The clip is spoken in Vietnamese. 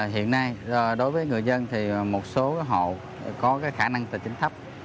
hiện nay đối với người dân một số họ có khả năng tài chính thấp